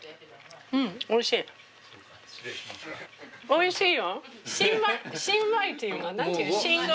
おいしい。